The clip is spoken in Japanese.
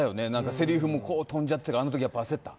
せりふも飛んじゃっててあのとき焦った？